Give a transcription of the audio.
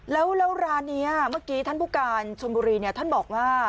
แล้วร้านนี้เมื่อกี้ท่านผู้การชนบุรีท่านบอกว่า